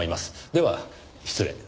では失礼。